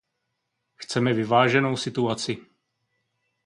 Chceme vyváženou situaci.